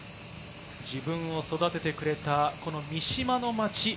自分を育ててくれた三島の町。